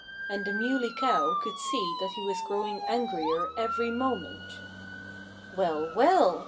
And the Muley Cow could see that he was growing angrier every moment. "Well! well!"